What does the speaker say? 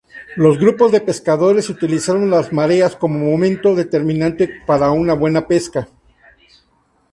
Los grupos de pescadores utilizaron las mareas como momento determinante para una buena pesca.